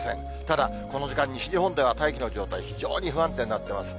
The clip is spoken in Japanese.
ただ、この時間、西日本では大気の状態、非常に不安定になってます。